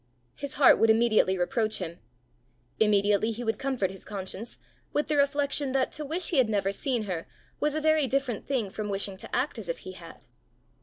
His heart would immediately reproach him; immediately he would comfort his conscience with the reflection that to wish he had never seen her was a very different thing from wishing to act as if he had.